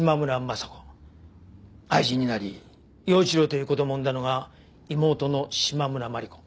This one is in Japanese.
愛人になり耀一郎という子供を産んだのが妹の島村万里子。